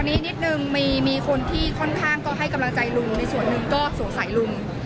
นิดนึงมีคนที่ค่อนข้างก็ให้กำลังใจลุงในส่วนหนึ่งก็สงสัยลุง